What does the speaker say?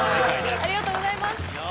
ありがとうございます。